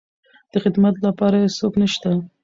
د خدمت لپاره يې څوک نشته.